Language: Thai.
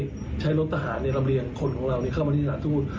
ให้ช่วยใช้รถทหารในลำเลียงคนของเรานี่เข้ามาที่สถานทูต